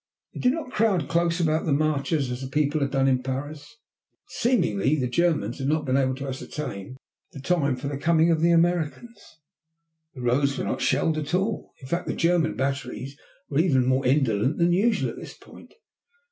They did not crowd close about the marchers as the people had done in Paris. Seemingly the Germans had not been able to ascertain the time set for the coming of the Americans. The roads were not shelled at all. In fact, the German batteries were even more indolent than usual at this point.